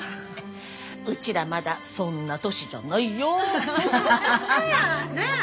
うちらまだそんな年じゃないよ！なぁ。